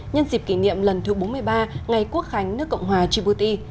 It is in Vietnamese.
nhân dịp kỷ niệm lần thứ bốn mươi ba ngày quốc khánh nước cộng hòa djibouti